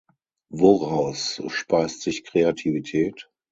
Woraus speist sich Kreativität?